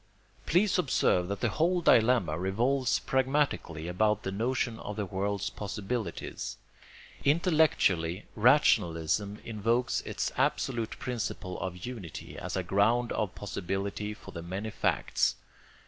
Please observe that the whole dilemma revolves pragmatically about the notion of the world's possibilities. Intellectually, rationalism invokes its absolute principle of unity as a ground of possibility for the many facts.